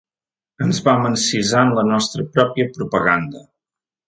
Ens vam encisar en la nostra pròpia propaganda.